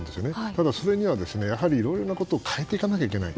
ただ、それにはいろいろなことを変えていかなきゃいけない。